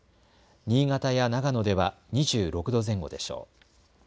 新潟や長野では２６度前後でしょう。